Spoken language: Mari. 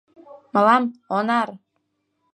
— Мылам — Онар!